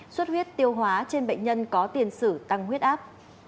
xuất huyết tiêu hóa trên bệnh nhân có tiền xử tăng huyết áp